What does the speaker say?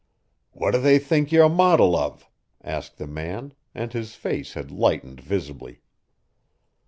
"What do they think ye a modil of?" asked the man, and his face had lightened visibly.